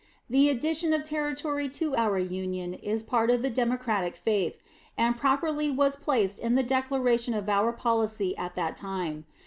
The addition of territory to our Union is part of the Democratic faith, and properly was placed in the declaration of our policy at that time.